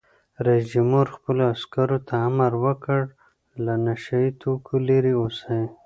رئیس جمهور خپلو عسکرو ته امر وکړ؛ له نشه یي توکو لرې اوسئ!